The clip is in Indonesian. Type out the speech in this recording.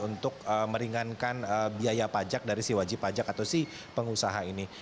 untuk meringankan biaya pajak dari si wajib pajak atau si pengusaha ini